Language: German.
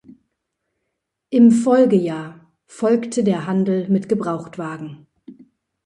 Im Folgejahr folgte der Handel mit Gebrauchtwagen.